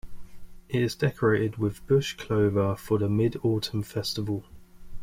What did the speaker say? It is decorated with bush clover for the Mid-Autumn Festival.